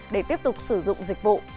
để tiếp tục sử dụng dịch vụ